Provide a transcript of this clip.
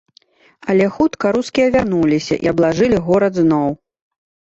Але хутка рускія вярнуліся і аблажылі горад зноў.